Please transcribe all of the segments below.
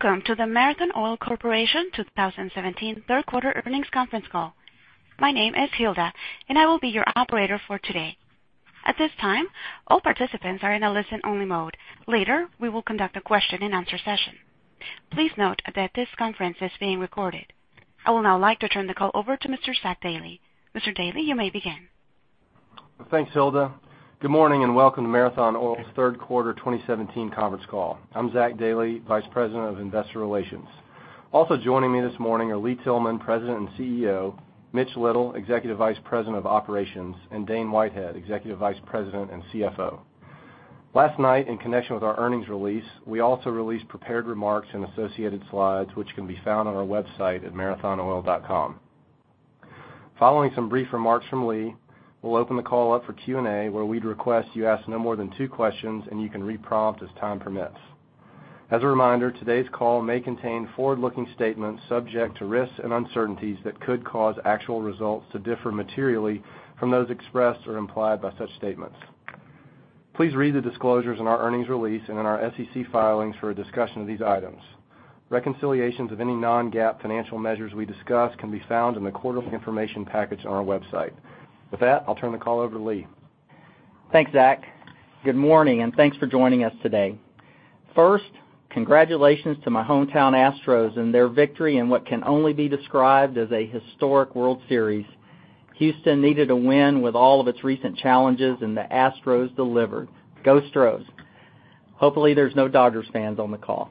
Welcome to the Marathon Oil Corporation 2017 third quarter earnings conference call. My name is Hilda, and I will be your operator for today. At this time, all participants are in a listen only mode. Later, we will conduct a question and answer session. Please note that this conference is being recorded. I would now like to turn the call over to Mr. Zach Dailey. Mr. Dailey, you may begin. Thanks, Hilda. Good morning, and welcome to Marathon Oil's third quarter 2017 conference call. I'm Zach Dailey, Vice President of Investor Relations. Also joining me this morning are Lee Tillman, President and CEO, Mitch Little, Executive Vice President of Operations, and Dane Whitehead, Executive Vice President and CFO. Last night, in connection with our earnings release, we also released prepared remarks and associated slides, which can be found on our website at marathonoil.com. Following some brief remarks from Lee, we'll open the call up for Q&A, where we'd request you ask no more than two questions, and you can re-prompt as time permits. As a reminder, today's call may contain forward-looking statements subject to risks and uncertainties that could cause actual results to differ materially from those expressed or implied by such statements. Please read the disclosures in our earnings release and in our SEC filings for a discussion of these items. Reconciliations of any non-GAAP financial measures we discuss can be found in the quarterly information package on our website. With that, I'll turn the call over to Lee. Thanks, Zach. Good morning, and thanks for joining us today. First, congratulations to my hometown Astros and their victory in what can only be described as a historic World Series. Houston needed a win with all of its recent challenges, and the Astros delivered. Go Astros. Hopefully, there's no Dodgers fans on the call.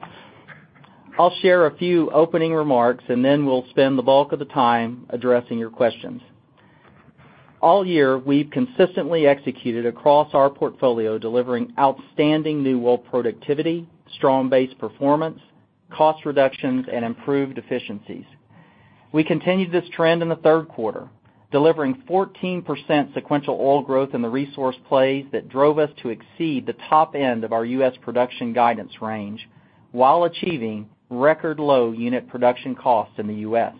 I'll share a few opening remarks, and then we'll spend the bulk of the time addressing your questions. All year, we've consistently executed across our portfolio, delivering outstanding new well productivity, strong base performance, cost reductions, and improved efficiencies. We continued this trend in the third quarter, delivering 14% sequential oil growth in the resource plays that drove us to exceed the top end of our U.S. production guidance range while achieving record low unit production costs in the U.S.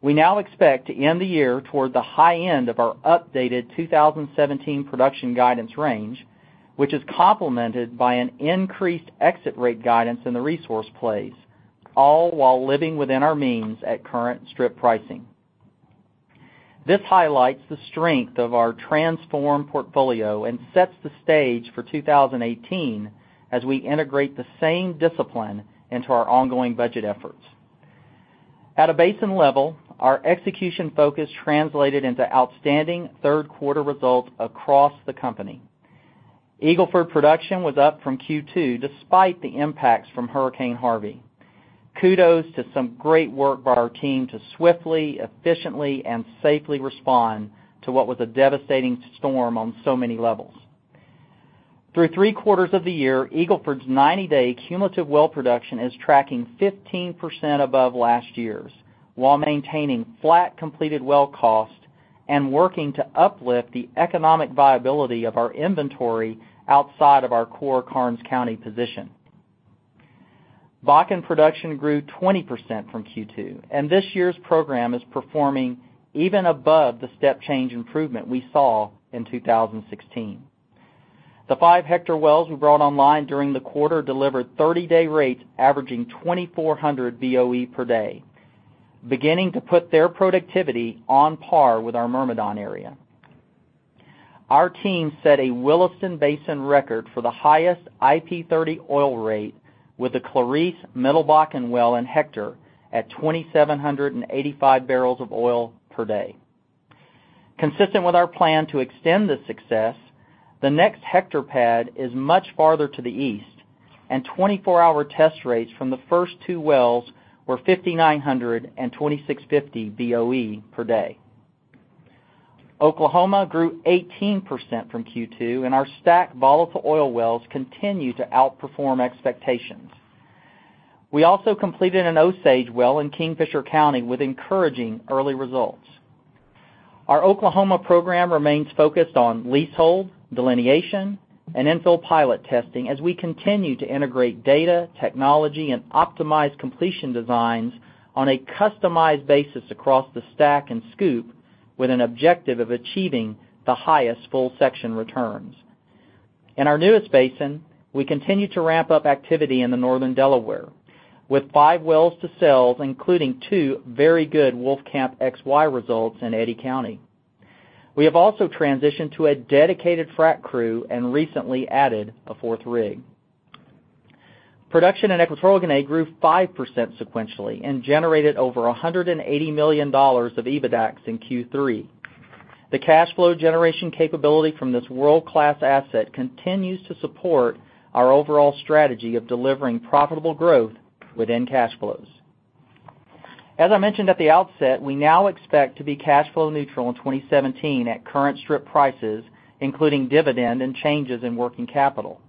We now expect to end the year toward the high end of our updated 2017 production guidance range, which is complemented by an increased exit rate guidance in the resource plays, all while living within our means at current strip pricing. This highlights the strength of our transformed portfolio and sets the stage for 2018 as we integrate the same discipline into our ongoing budget efforts. At a basin level, our execution focus translated into outstanding third quarter results across the company. Eagle Ford production was up from Q2 despite the impacts from Hurricane Harvey. Kudos to some great work by our team to swiftly, efficiently, and safely respond to what was a devastating storm on so many levels. Through three quarters of the year, Eagle Ford's 90-day cumulative well production is tracking 15% above last year's, while maintaining flat completed well cost and working to uplift the economic viability of our inventory outside of our core Karnes County position. Bakken production grew 20% from Q2, and this year's program is performing even above the step change improvement we saw in 2016. The five Hector wells we brought online during the quarter delivered 30-day rates averaging 2,400 BOE per day, beginning to put their productivity on par with our Myrmidon area. Our team set a Williston Basin record for the highest IP30 oil rate with the Clarice Middle Bakken well in Hector at 2,785 barrels of oil per day. Consistent with our plan to extend this success, the next Hector pad is much farther to the east, and 24-hour test rates from the first two wells were 5,900 and 2,650 BOE per day. Oklahoma grew 18% from Q2, and our STACK volatile oil wells continue to outperform expectations. We also completed an Osage well in Kingfisher County with encouraging early results. Our Oklahoma program remains focused on leasehold, delineation, and infill pilot testing as we continue to integrate data, technology, and optimize completion designs on a customized basis across the STACK and SCOOP with an objective of achieving the highest full section returns. In our newest basin, we continue to ramp up activity in the Northern Delaware with five wells to sell, including two very good Wolfcamp XY results in Eddy County. We have also transitioned to a dedicated frack crew and recently added a fourth rig. Production in Equatorial Guinea grew 5% sequentially and generated over $180 million of EBITDAX in Q3. The cash flow generation capability from this world-class asset continues to support our overall strategy of delivering profitable growth within cash flows. As I mentioned at the outset, we now expect to be cash flow neutral in 2017 at current strip prices, including dividend and changes in working capital.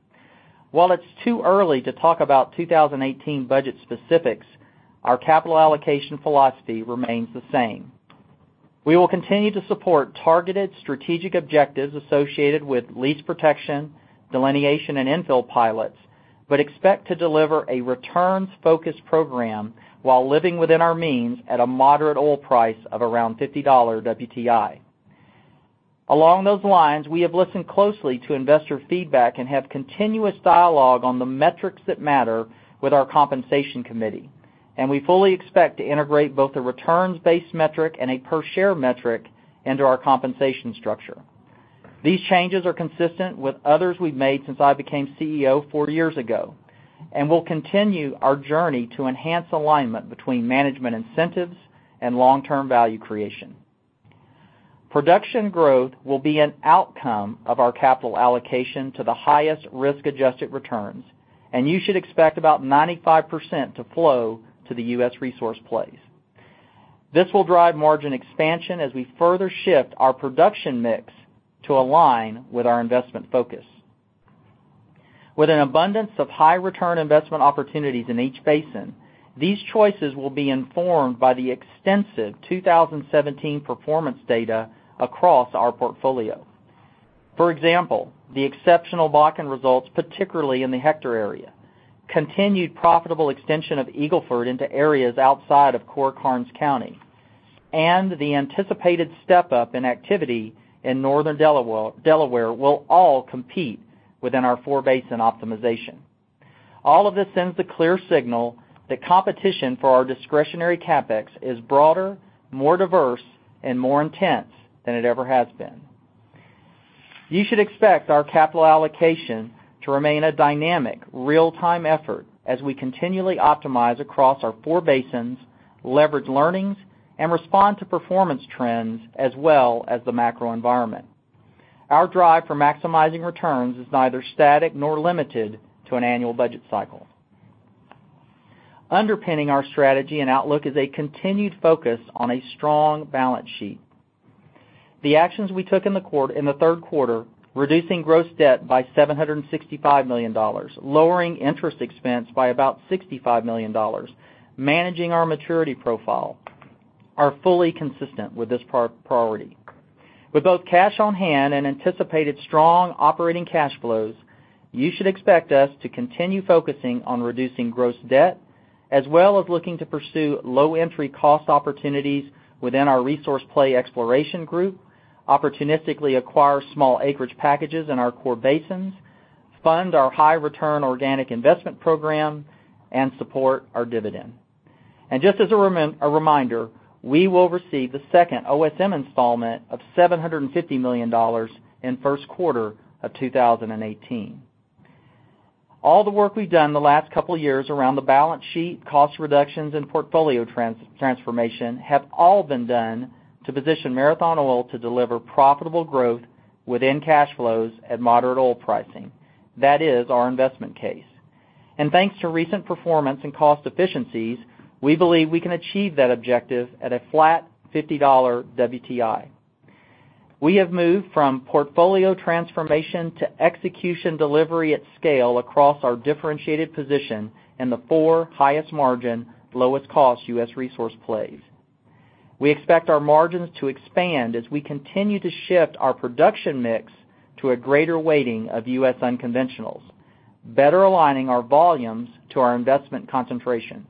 While it's too early to talk about 2018 budget specifics, our capital allocation philosophy remains the same. We will continue to support targeted strategic objectives associated with lease protection, delineation, and infill pilots, but expect to deliver a returns-focused program while living within our means at a moderate oil price of around $50 WTI. Along those lines, we have listened closely to investor feedback and have continuous dialogue on the metrics that matter with our compensation committee. We fully expect to integrate both a returns-based metric and a per-share metric into our compensation structure. These changes are consistent with others we've made since I became CEO four years ago. We'll continue our journey to enhance alignment between management incentives and long-term value creation. Production growth will be an outcome of our capital allocation to the highest risk-adjusted returns. You should expect about 95% to flow to the U.S. resource plays. This will drive margin expansion as we further shift our production mix to align with our investment focus. With an abundance of high-return investment opportunities in each basin, these choices will be informed by the extensive 2017 performance data across our portfolio. For example, the exceptional Bakken results, particularly in the Hector area, continued profitable extension of Eagle Ford into areas outside of core Karnes County. The anticipated step-up in activity in Northern Delaware will all compete within our four-basin optimization. All of this sends the clear signal that competition for our discretionary CapEx is broader, more diverse, and more intense than it ever has been. You should expect our capital allocation to remain a dynamic, real-time effort as we continually optimize across our four basins, leverage learnings, respond to performance trends, as well as the macro environment. Our drive for maximizing returns is neither static nor limited to an annual budget cycle. Underpinning our strategy and outlook is a continued focus on a strong balance sheet. The actions we took in the third quarter, reducing gross debt by $765 million, lowering interest expense by about $65 million, managing our maturity profile, are fully consistent with this priority. With both cash on hand and anticipated strong operating cash flows, you should expect us to continue focusing on reducing gross debt, as well as looking to pursue low-entry cost opportunities within our resource play exploration group, opportunistically acquire small acreage packages in our core basins, fund our high-return organic investment program, and support our dividend. Just as a reminder, we will receive the second OSM installment of $750 million in first quarter of 2018. All the work we've done the last couple of years around the balance sheet, cost reductions, and portfolio transformation have all been done to position Marathon Oil to deliver profitable growth within cash flows at moderate oil pricing. That is our investment case. Thanks to recent performance and cost efficiencies, we believe we can achieve that objective at a flat $50 WTI. We have moved from portfolio transformation to execution delivery at scale across our differentiated position in the four highest margin, lowest cost U.S. resource plays. We expect our margins to expand as we continue to shift our production mix to a greater weighting of U.S. unconventionals, better aligning our volumes to our investment concentration.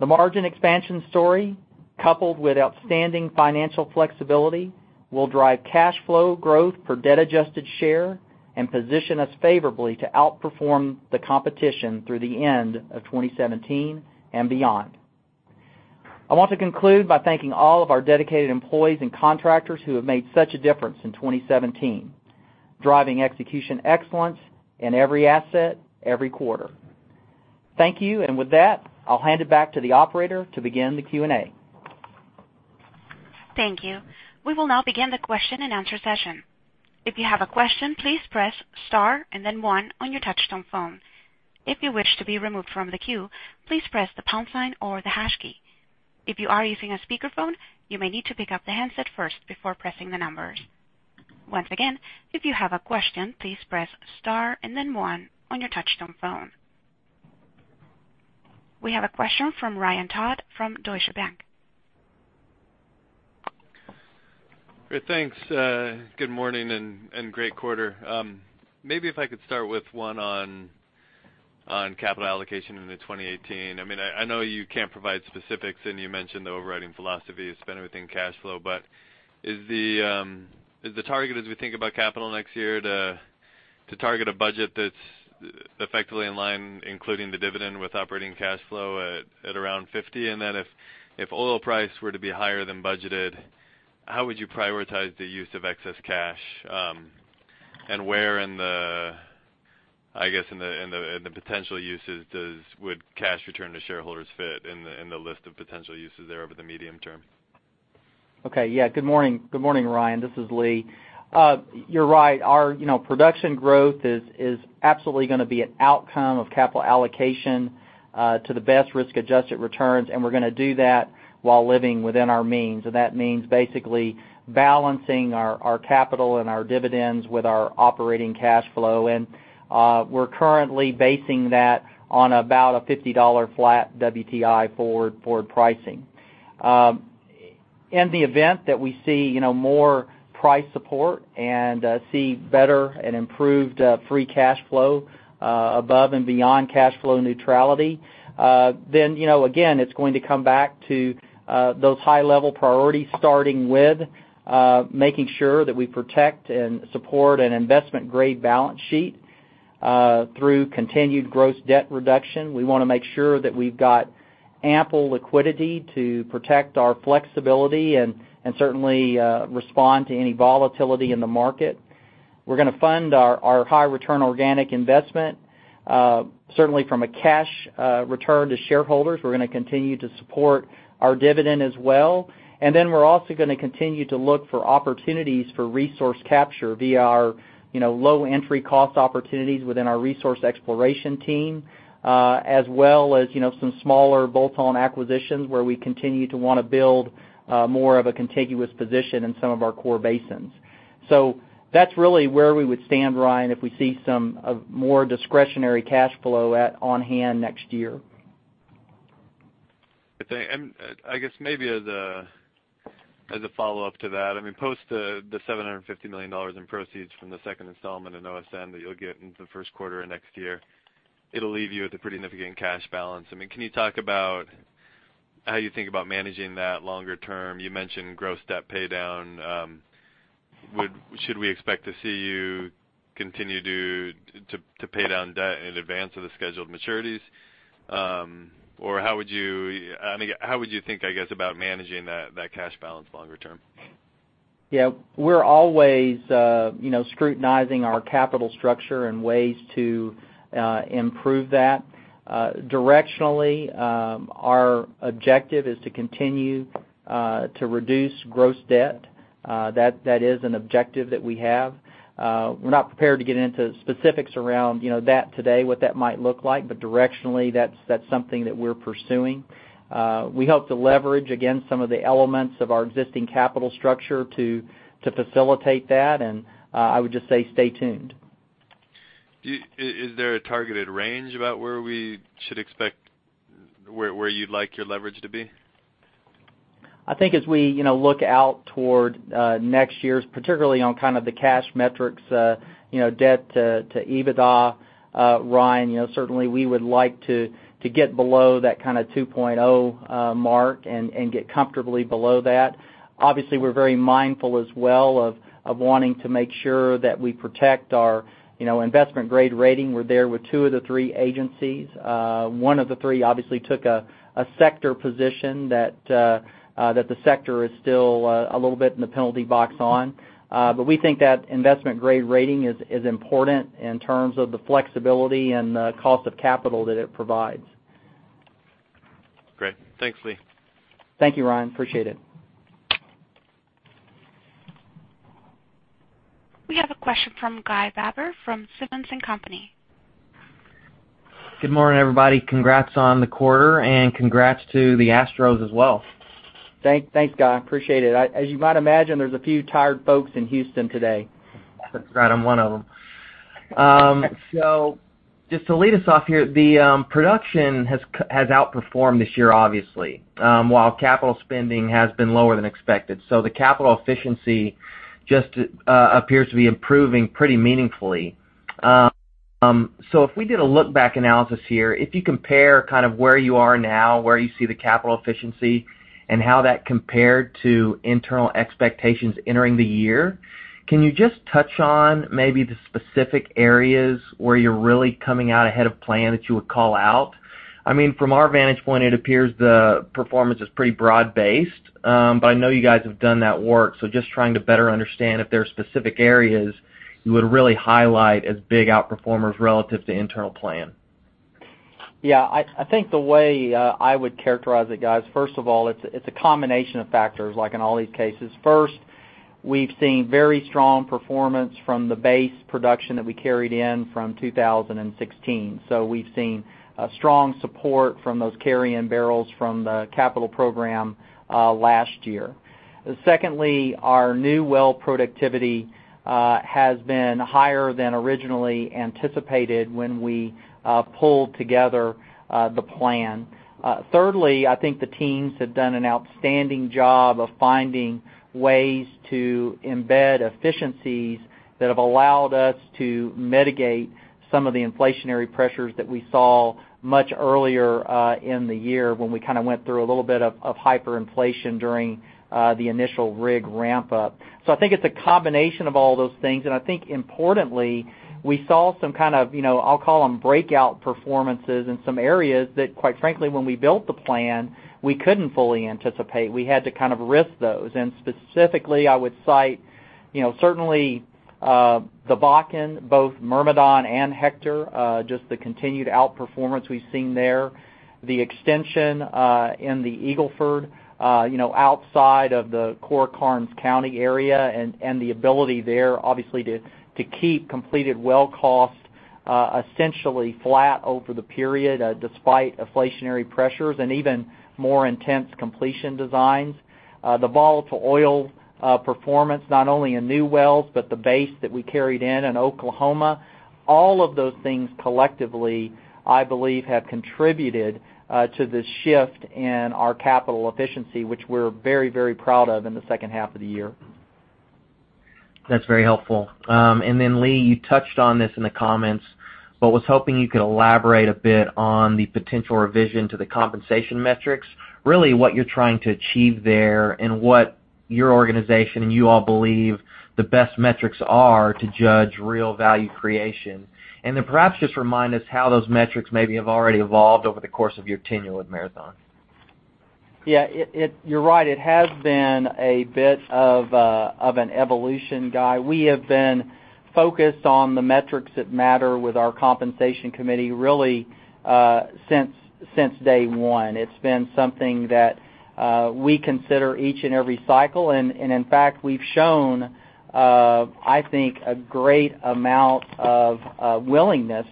The margin expansion story, coupled with outstanding financial flexibility, will drive cash flow growth per debt-adjusted share and position us favorably to outperform the competition through the end of 2017 and beyond. I want to conclude by thanking all of our dedicated employees and contractors who have made such a difference in 2017, driving execution excellence in every asset, every quarter. Thank you. With that, I'll hand it back to the operator to begin the Q&A. Thank you. We will now begin the question-and-answer session. If you have a question, please press star and then one on your touchtone phone. If you wish to be removed from the queue, please press the pound sign or the hash key. If you are using a speakerphone, you may need to pick up the handset first before pressing the numbers. Once again, if you have a question, please press star and then one on your touchtone phone. We have a question from Ryan Todd from Deutsche Bank. Great. Thanks. Good morning and great quarter. Maybe if I could start with one on capital allocation into 2018. I know you can't provide specifics, and you mentioned the overriding philosophy is spend everything cash flow, but is the target as we think about capital next year to target a budget that's effectively in line, including the dividend with operating cash flow at around $50? If oil price were to be higher than budgeted, how would you prioritize the use of excess cash? Where in the potential uses would cash return to shareholders fit in the list of potential uses there over the medium term? Okay, yeah. Good morning, Ryan. This is Lee. You're right. Our production growth is absolutely going to be an outcome of capital allocation to the best risk-adjusted returns, and we're going to do that while living within our means. That means basically balancing our capital and our dividends with our operating cash flow. We're currently basing that on about a $50 flat WTI forward pricing. In the event that we see more price support and see better and improved free cash flow above and beyond cash flow neutrality, again, it's going to come back to those high-level priorities, starting with making sure that we protect and support an investment-grade balance sheet through continued gross debt reduction. We want to make sure that we've got ample liquidity to protect our flexibility and certainly respond to any volatility in the market. We're going to fund our high return organic investment. Certainly from a cash return to shareholders, we're going to continue to support our dividend as well. We're also going to continue to look for opportunities for resource capture via our low entry cost opportunities within our resource exploration team, as well as some smaller bolt-on acquisitions where we continue to want to build more of a contiguous position in some of our core basins. That's really where we would stand, Ryan, if we see some more discretionary cash flow on hand next year. I guess maybe as a follow-up to that, post the $750 million in proceeds from the second installment in OSM that you'll get into the first quarter of next year, it'll leave you with a pretty significant cash balance. Can you talk about how you think about managing that longer term? You mentioned gross debt paydown. Should we expect to see you continue to pay down debt in advance of the scheduled maturities? Or how would you think, I guess, about managing that cash balance longer term? We're always scrutinizing our capital structure and ways to improve that. Directionally, our objective is to continue to reduce gross debt. That is an objective that we have. We're not prepared to get into specifics around that today, what that might look like. Directionally, that's something that we're pursuing. We hope to leverage, again, some of the elements of our existing capital structure to facilitate that. I would just say stay tuned. Is there a targeted range about where we should expect where you'd like your leverage to be? I think as we look out toward next year's, particularly on the cash metrics, debt to EBITDA, Ryan, certainly we would like to get below that 2.0 mark and get comfortably below that. Obviously, we're very mindful as well of wanting to make sure that we protect our investment-grade rating. We're there with two of the three agencies. One of the three obviously took a sector position that the sector is still a little bit in the penalty box on. We think that investment-grade rating is important in terms of the flexibility and the cost of capital that it provides. Great. Thanks, Lee. Thank you, Ryan. Appreciate it. We have a question from Guy Baber from Simmons & Company. Good morning, everybody. Congrats on the quarter, congrats to the Astros as well. Thanks, Guy. Appreciate it. As you might imagine, there's a few tired folks in Houston today. That's right, I'm one of them. Just to lead us off here, the production has outperformed this year, obviously, while capital spending has been lower than expected. The capital efficiency just appears to be improving pretty meaningfully. If we did a look-back analysis here, if you compare where you are now, where you see the capital efficiency, and how that compared to internal expectations entering the year, can you just touch on maybe the specific areas where you're really coming out ahead of plan that you would call out? From our vantage point, it appears the performance is pretty broad-based. I know you guys have done that work, just trying to better understand if there are specific areas you would really highlight as big outperformers relative to internal plan. Yeah. I think the way I would characterize it, Guy, first of all, it's a combination of factors, like in all these cases. First, we've seen very strong performance from the base production that we carried in from 2016. We've seen a strong support from those carry-in barrels from the capital program last year. Secondly, our new well productivity has been higher than originally anticipated when we pulled together the plan. Thirdly, I think the teams have done an outstanding job of finding ways to embed efficiencies that have allowed us to mitigate some of the inflationary pressures that we saw much earlier in the year when we went through a little bit of hyperinflation during the initial rig ramp-up. I think it's a combination of all those things, and I think importantly, we saw some kind of, I'll call them breakout performances in some areas that quite frankly, when we built the plan, we couldn't fully anticipate. We had to risk those. Specifically, I would cite certainly the Bakken, both Myrmidon and Hector, just the continued outperformance we've seen there. The extension in the Eagle Ford outside of the core Karnes County area and the ability there, obviously, to keep completed well costs essentially flat over the period despite inflationary pressures and even more intense completion designs. The volatile oil performance, not only in new wells, but the base that we carried in Oklahoma. All of those things collectively, I believe, have contributed to the shift in our capital efficiency, which we're very proud of in the second half of the year. That's very helpful. Lee, you touched on this in the comments, but I was hoping you could elaborate a bit on the potential revision to the compensation metrics. Really what you're trying to achieve there and what your organization and you all believe the best metrics are to judge real value creation. Perhaps just remind us how those metrics maybe have already evolved over the course of your tenure with Marathon. Yeah. You're right. It has been a bit of an evolution, Guy. We have been focused on the metrics that matter with our compensation committee, really since day one. It's been something that we consider each and every cycle, and in fact, we've shown, I think, a great amount of willingness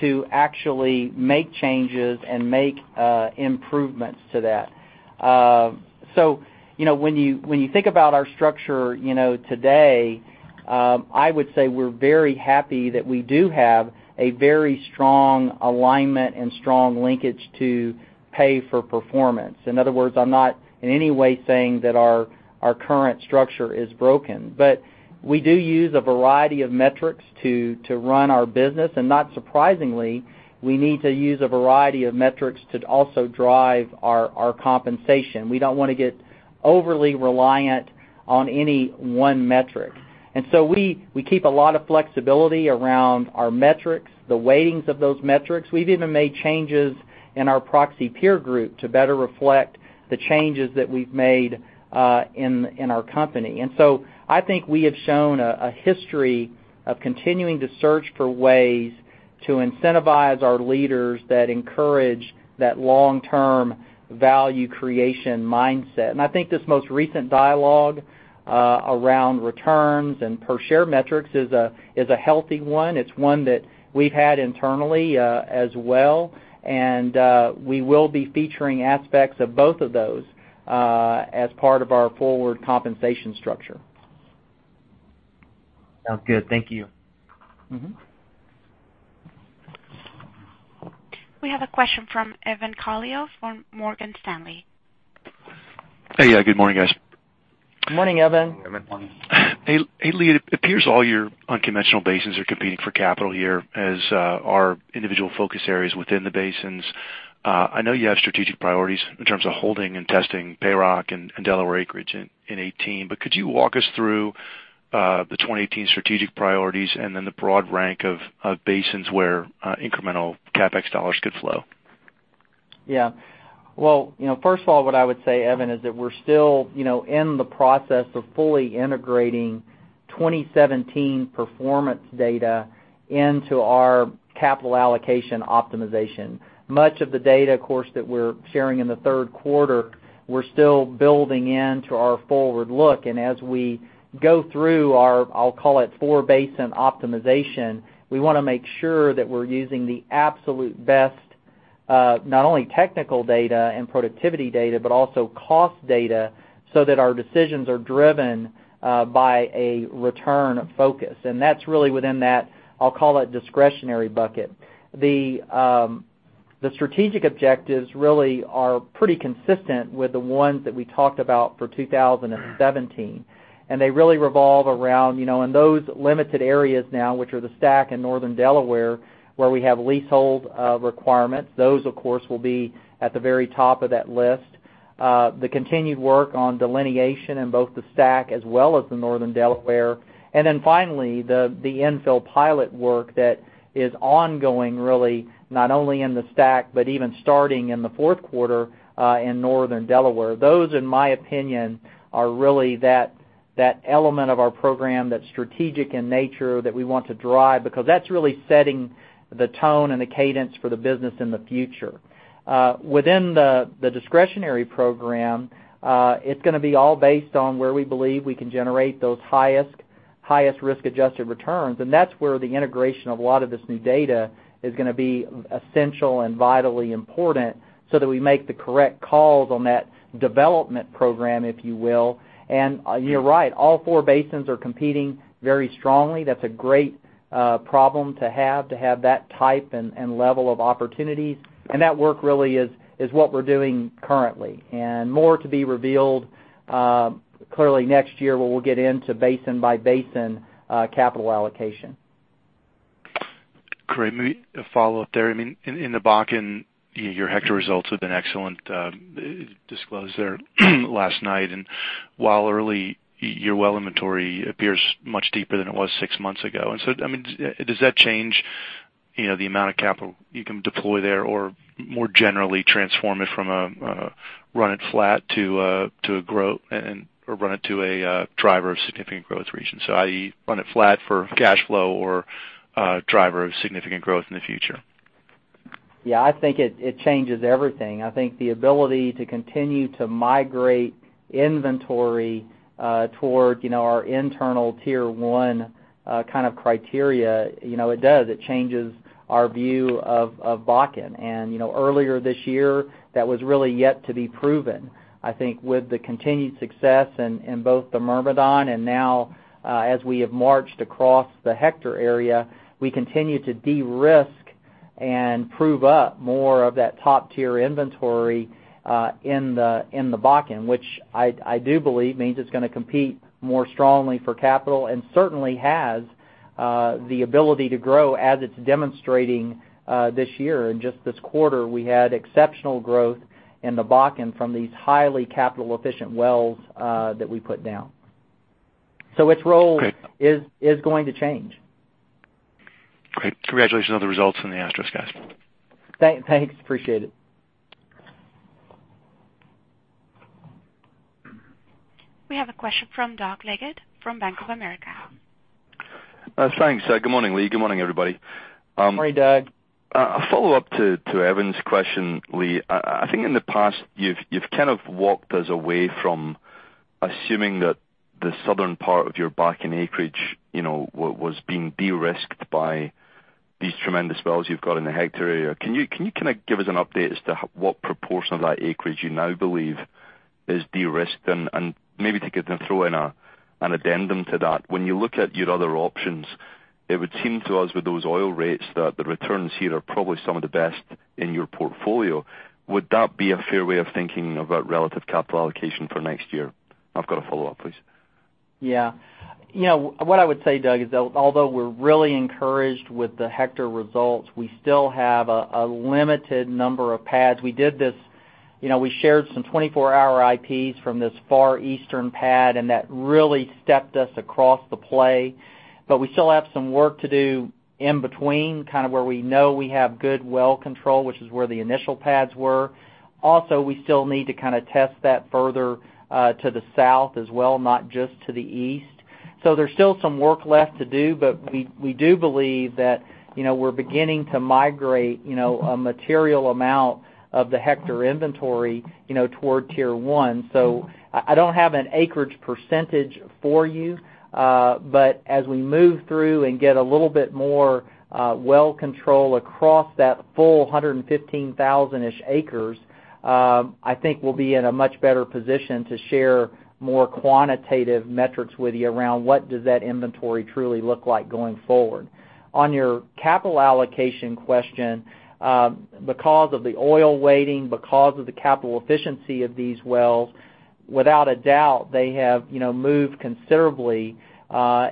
to actually make changes and make improvements to that. When you think about our structure today, I would say we're very happy that we do have a very strong alignment and strong linkage to pay for performance. In other words, I'm not in any way saying that our current structure is broken. We do use a variety of metrics to run our business, and not surprisingly, we need to use a variety of metrics to also drive our compensation. We don't want to get overly reliant on any one metric. We keep a lot of flexibility around our metrics, the weightings of those metrics. We've even made changes in our proxy peer group to better reflect the changes that we've made in our company. I think we have shown a history of continuing to search for ways to incentivize our leaders that encourage that long-term value creation mindset. I think this most recent dialogue around returns and per share metrics is a healthy one. It's one that we've had internally as well, and we will be featuring aspects of both of those as part of our forward compensation structure. Sounds good. Thank you. We have a question from Evan Calio from Morgan Stanley. Hey. Good morning, guys. Good morning, Evan. Good morning, Evan. Hey, Lee. It appears all your unconventional basins are competing for capital here as our individual focus areas within the basins. I know you have strategic priorities in terms of holding and testing PayRock and Delaware acreage in 2018. Could you walk us through the 2018 strategic priorities and then the broad rank of basins where incremental CapEx dollars could flow? Well, first of all, what I would say, Evan, is that we're still in the process of fully integrating 2017 performance data into our capital allocation optimization. Much of the data, of course, that we're sharing in the third quarter, we're still building into our forward look. As we go through our, I'll call it four basin optimization, we want to make sure that we're using the absolute best not only technical data and productivity data, but also cost data so that our decisions are driven by a return focus. That's really within that, I'll call it discretionary bucket. The strategic objectives really are pretty consistent with the ones that we talked about for 2017, and they really revolve around, in those limited areas now, which are the STACK in northern Delaware, where we have leasehold requirements. Those, of course, will be at the very top of that list. The continued work on delineation in both the STACK as well as the northern Delaware. Then finally, the infill pilot work that is ongoing, really, not only in the STACK, but even starting in the fourth quarter in northern Delaware. Those, in my opinion, are really that element of our program that's strategic in nature that we want to drive, because that's really setting the tone and the cadence for the business in the future. Within the discretionary program, it's going to be all based on where we believe we can generate those highest risk-adjusted returns, and that's where the integration of a lot of this new data is going to be essential and vitally important so that we make the correct calls on that development program, if you will. You're right, all four basins are competing very strongly. That's a great problem to have, to have that type and level of opportunities. That work really is what we're doing currently. More to be revealed clearly next year when we'll get into basin by basin capital allocation. Great. Maybe a follow-up there. In the Bakken, your Hector results have been excellent, disclosed there last night. While early, your well inventory appears much deeper than it was six months ago. Does that change the amount of capital you can deploy there or more generally transform it from a run it flat to a growth or run it to a driver of significant growth region? I.e., run it flat for cash flow or driver of significant growth in the future? Yeah. I think it changes everything. I think the ability to continue to migrate inventory toward our internal tier 1 kind of criteria, it does. It changes our view of Bakken. Earlier this year, that was really yet to be proven. I think with the continued success in both the Myrmidon and now as we have marched across the Hector area, we continue to de-risk and prove up more of that top-tier inventory in the Bakken, which I do believe means it's going to compete more strongly for capital and certainly has the ability to grow as it's demonstrating this year. In just this quarter, we had exceptional growth in the Bakken from these highly capital-efficient wells that we put down. Its role- Great is going to change. Great. Congratulations on the results and the Astros, guys. Thanks. Appreciate it. We have a question from Doug Leggate from Bank of America. Thanks. Good morning, Lee. Good morning, everybody. Morning, Doug. A follow-up to Evan's question, Lee. I think in the past you've kind of walked us away from assuming that the southern part of your Bakken acreage was being de-risked by these tremendous wells you've got in the Hector area. Can you give us an update as to what proportion of that acreage you now believe is de-risked? Maybe to throw in an addendum to that, when you look at your other options, it would seem to us with those oil rates, that the returns here are probably some of the best in your portfolio. Would that be a fair way of thinking about relative capital allocation for next year? I've got a follow-up, please. Yeah. What I would say, Doug, is although we're really encouraged with the Hector results, we still have a limited number of pads. We shared some 24-hour IPs from this far eastern pad, that really stepped us across the play. We still have some work to do in between, where we know we have good well control, which is where the initial pads were. Also, we still need to test that further to the south as well, not just to the east. There's still some work left to do, but we do believe that we're beginning to migrate a material amount of the Hector inventory toward tier 1. I don't have an acreage percentage for you. As we move through and get a little bit more well control across that full 115,000-ish acres, I think we'll be in a much better position to share more quantitative metrics with you around what does that inventory truly look like going forward. On your capital allocation question, because of the oil weighting, because of the capital efficiency of these wells, without a doubt, they have moved considerably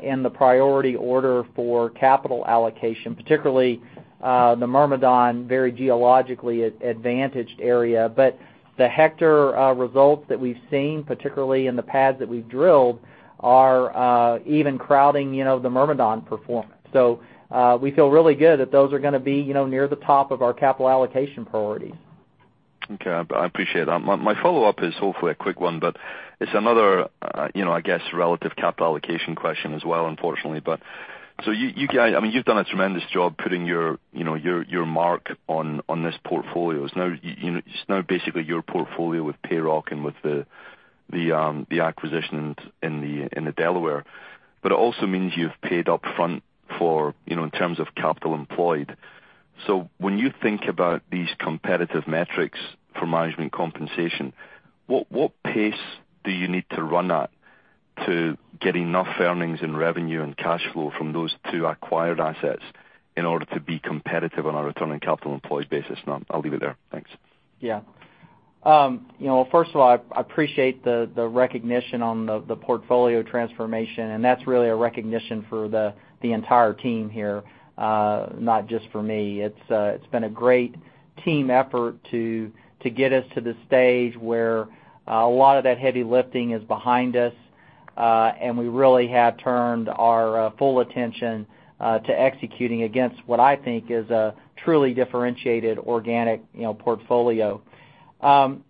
in the priority order for capital allocation, particularly the Myrmidon, very geologically advantaged area. The Hector results that we've seen, particularly in the pads that we've drilled, are even crowding the Myrmidon performance. We feel really good that those are going to be near the top of our capital allocation priorities. Okay. I appreciate that. My follow-up is hopefully a quick one. It's another, I guess, relative capital allocation question as well, unfortunately. You've done a tremendous job putting your mark on this portfolio. It's now basically your portfolio with PayRock and with the acquisition in the Delaware. It also means you've paid up front in terms of capital employed. When you think about these competitive metrics for management compensation, what pace do you need to run at to get enough earnings and revenue and cash flow from those two acquired assets in order to be competitive on a return on capital employed basis? I'll leave it there. Thanks. Yeah. First of all, I appreciate the recognition on the portfolio transformation, and that's really a recognition for the entire team here, not just for me. It's been a great team effort to get us to the stage where a lot of that heavy lifting is behind us, and we really have turned our full attention to executing against what I think is a truly differentiated organic portfolio.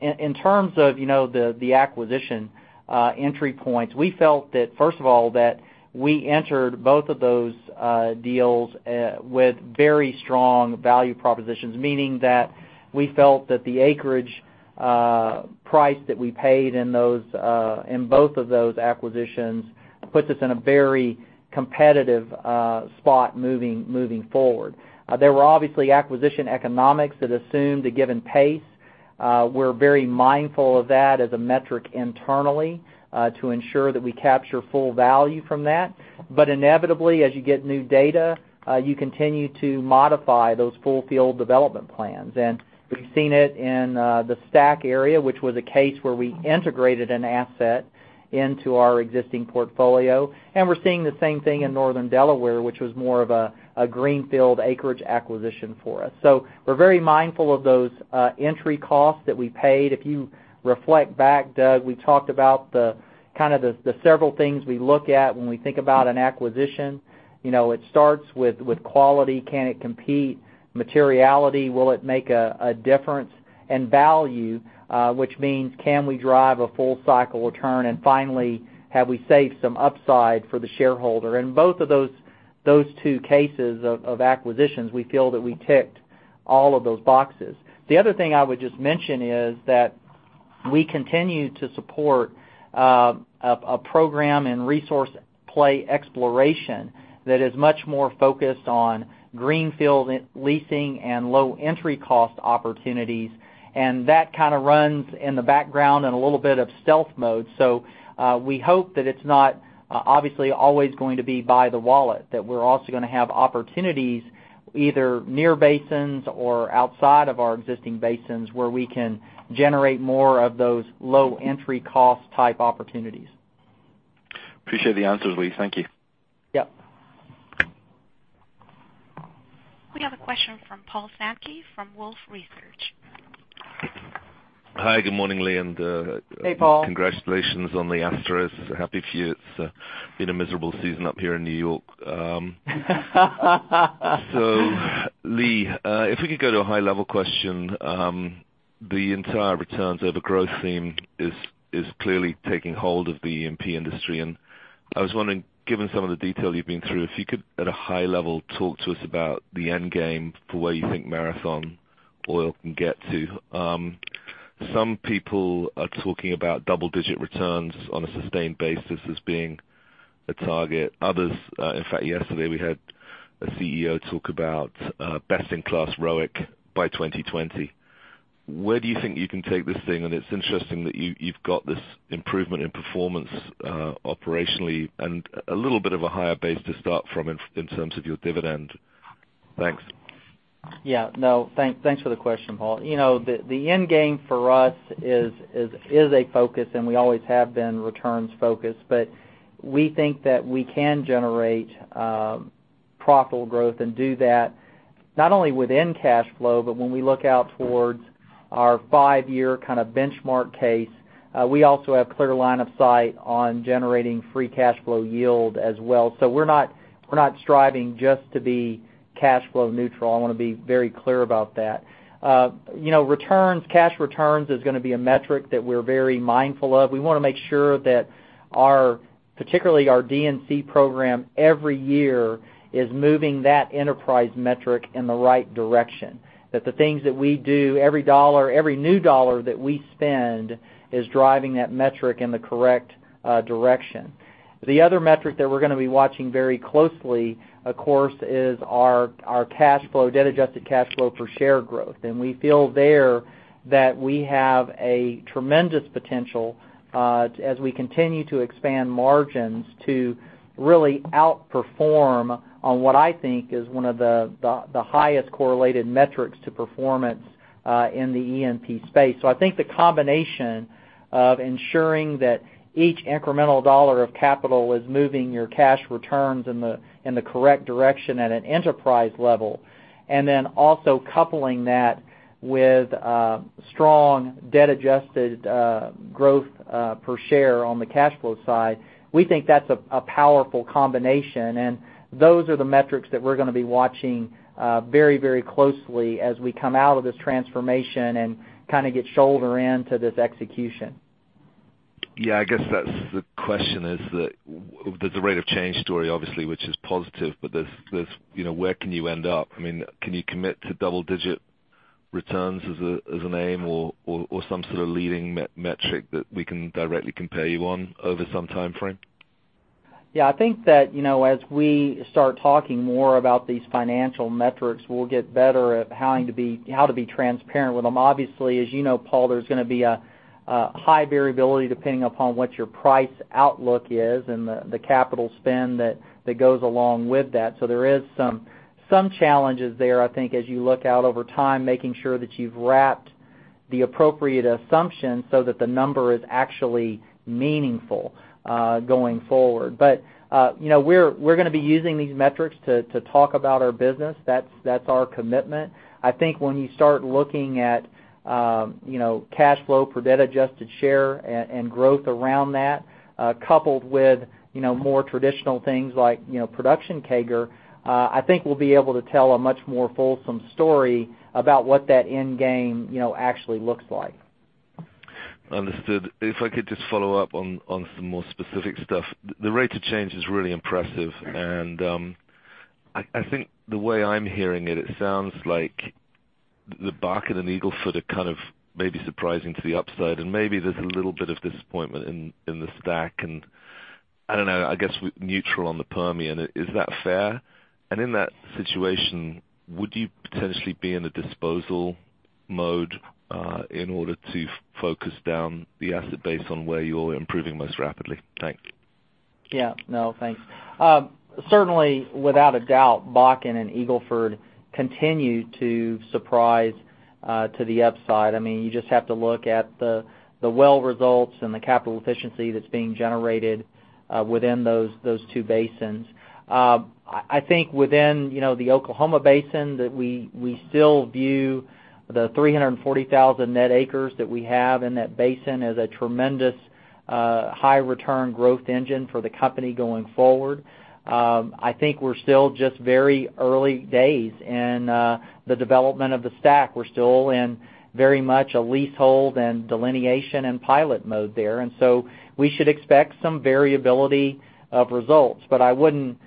In terms of the acquisition entry points, we felt that, first of all, that we entered both of those deals with very strong value propositions, meaning that we felt that the acreage price that we paid in both of those acquisitions puts us in a very competitive spot moving forward. There were obviously acquisition economics that assumed a given pace. We're very mindful of that as a metric internally to ensure that we capture full value from that. Inevitably, as you get new data, you continue to modify those full field development plans. We've seen it in the STACK area, which was a case where we integrated an asset into our existing portfolio, and we're seeing the same thing in northern Delaware, which was more of a greenfield acreage acquisition for us. We're very mindful of those entry costs that we paid. If you reflect back, Doug, we talked about the several things we look at when we think about an acquisition. It starts with quality. Can it compete? Materiality, will it make a difference? Value, which means can we drive a full cycle return? Finally, have we saved some upside for the shareholder? In both of those two cases of acquisitions, we feel that we ticked all of those boxes. The other thing I would just mention is that we continue to support a program and resource play exploration that is much more focused on greenfield leasing and low entry cost opportunities, and that runs in the background in a little bit of stealth mode. We hope that it's not obviously always going to be by the wallet, that we're also going to have opportunities either near basins or outside of our existing basins, where we can generate more of those low entry cost type opportunities. Appreciate the answers, Lee. Thank you. Yep. We have a question from Paul Sankey from Wolfe Research. Hi, good morning, Lee. Hey, Paul congratulations on the Astros. Happy to hear it. It's been a miserable season up here in New York. Lee, if we could go to a high level question. The entire returns over growth theme is clearly taking hold of the E&P industry. I was wondering, given some of the detail you've been through, if you could, at a high level, talk to us about the end game for where you think Marathon Oil can get to. Some people are talking about double-digit returns on a sustained basis as being a target. Others, in fact, yesterday we had a CEO talk about best in class ROIC by 2020. Where do you think you can take this thing? It's interesting that you've got this improvement in performance operationally and a little bit of a higher base to start from in terms of your dividend. Thanks. Yeah. No. Thanks for the question, Paul. The end game for us is a focus, and we always have been returns focused. We think that we can generate profitable growth and do that not only within cash flow, but when we look out towards our five-year benchmark case, we also have clear line of sight on generating free cash flow yield as well. We're not striving just to be cash flow neutral. I want to be very clear about that. Returns, cash returns is going to be a metric that we're very mindful of. We want to make sure that, particularly our D&C program every year, is moving that enterprise metric in the right direction, that the things that we do, every new dollar that we spend is driving that metric in the correct direction. The other metric that we're going to be watching very closely, of course, is our debt-adjusted cash flow per share growth. We feel there that we have a tremendous potential as we continue to expand margins to really outperform on what I think is one of the highest correlated metrics to performance in the E&P space. I think the combination of ensuring that each incremental dollar of capital is moving your cash returns in the correct direction at an enterprise level, and then also coupling that with strong debt adjusted growth per share on the cash flow side, we think that's a powerful combination, and those are the metrics that we're going to be watching very closely as we come out of this transformation and get shoulder in to this execution. Yeah, I guess that's the question, is that there's a rate of change story, obviously, which is positive, but where can you end up? Can you commit to double-digit returns as an aim or some sort of leading metric that we can directly compare you on over some timeframe? I think that as we start talking more about these financial metrics, we'll get better at how to be transparent with them. Obviously, as you know, Paul, there's going to be a high variability depending upon what your price outlook is and the capital spend that goes along with that. There is some challenges there, I think, as you look out over time, making sure that you've wrapped the appropriate assumption so that the number is actually meaningful going forward. We're going to be using these metrics to talk about our business. That's our commitment. I think when you start looking at cash flow per debt adjusted share and growth around that, coupled with more traditional things like production CAGR, I think we'll be able to tell a much more fulsome story about what that end game actually looks like. Understood. If I could just follow up on some more specific stuff. The rate of change is really impressive, and I think the way I'm hearing it sounds like the Bakken and Eagle Ford are maybe surprising to the upside, and maybe there's a little bit of disappointment in the STACK, and I don't know, I guess neutral on the Permian. Is that fair? In that situation, would you potentially be in a disposal mode in order to focus down the asset base on where you're improving most rapidly? Thanks. Thanks. Certainly, without a doubt, Bakken and Eagle Ford continue to surprise to the upside. You just have to look at the well results and the capital efficiency that's being generated within those two basins. I think within the Oklahoma basin, that we still view the 340,000 net acres that we have in that basin as a tremendous high return growth engine for the company going forward. I think we're still just very early days in the development of the STACK. We're still in very much a leasehold and delineation and pilot mode there. We should expect some variability of results. I wouldn't